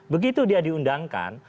begitu dia diundangkan